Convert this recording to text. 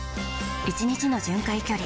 １日の巡回距離